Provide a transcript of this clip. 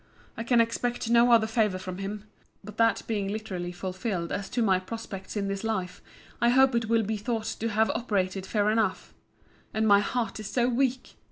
I can expect no other favour from him. But that being literally fulfilled as to my prospects in this life, I hope it will be thought to have operated far enough; and my heart is so weak!